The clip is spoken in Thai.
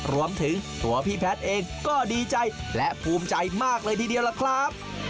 รวมถึงตัวพี่แพทย์เองก็ดีใจและภูมิใจมากเลยทีเดียวล่ะครับ